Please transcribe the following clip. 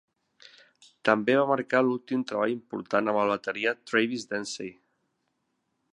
També va marcar l'últim treball important amb el bateria Travis Demsey.